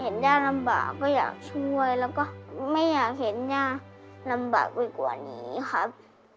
ย่าลำบากก็อยากช่วยแล้วก็ไม่อยากเห็นย่าลำบากไปกว่านี้ครับ